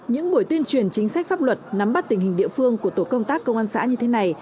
những buổi tuyên truyền chính sách pháp luật nắm bắt tình hình địa phương của tổ công tác công an xã như thế này